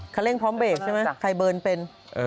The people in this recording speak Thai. เร่งพร้อมเบรกใช่ไหมใครเบิร์นเป็น